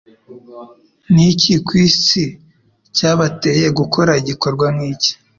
Ni iki ku isi cyabateye gukora igikorwa nk'iki?